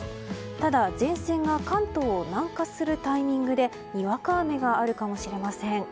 ただ、前線が関東を南下するタイミングでにわか雨があるかもしれません。